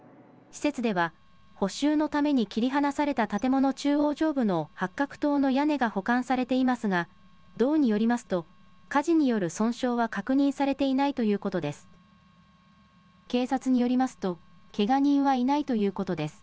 施設では補修のために切り離された建物中央上部の八角塔の屋根が保管されていますが道によりますと火事による損傷は確認されていないということです。